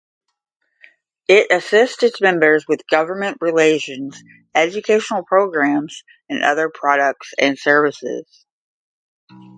It assists its members with government relations, educational programs, and other products and services.